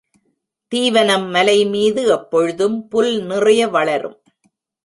தீவனம் மலைமீது எப்பொழுதும் புல் நிறைய வளரும்.